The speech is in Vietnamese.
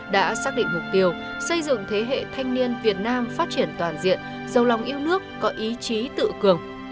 đã xác định mục tiêu xây dựng thế hệ thanh niên việt nam phát triển toàn diện giàu lòng yêu nước có ý chí tự cường